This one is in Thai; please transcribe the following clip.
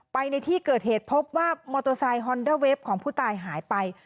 ในที่เกิดเหตุพบว่ามอเตอร์ไซค์ฮอนเดอร์เฟฟของผู้ตายหายไป